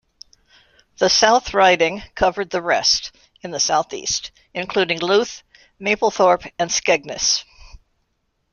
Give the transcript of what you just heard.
The South Riding covered the rest, in the south-east, including Louth, Mablethorpe and Skegness.